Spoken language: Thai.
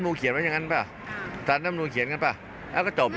แต่อย่างงี้มีโอกาสเปลี่ยนใจไหมที่ช่วงไทย